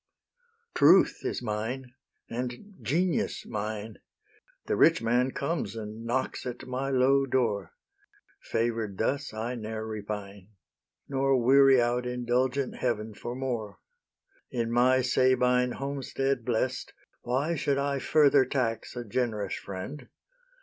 Truth is mine, and Genius mine; The rich man comes, and knocks at my low door: Favour'd thus, I ne'er repine, Nor weary out indulgent Heaven for more: In my Sabine homestead blest, Why should I further tax a generous friend?